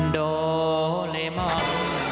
โดเลมอน